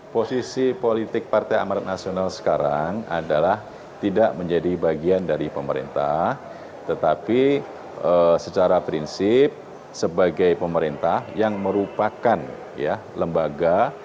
pemimpinan saya sekarang adalah tidak menjadi bagian dari pemerintah tetapi secara prinsip sebagai pemerintah yang merupakan lembaga